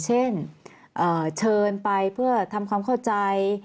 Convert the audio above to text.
เช่นเชิญไปเพื่อทำความเข้าใจ